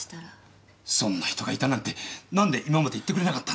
そんな人がいたなんて何で今まで言ってくれなかったんだ。